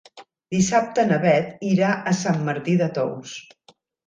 Dissabte na Beth irà a Sant Martí de Tous.